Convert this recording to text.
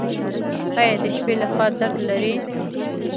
ایا د شپې لخوا درد لرئ؟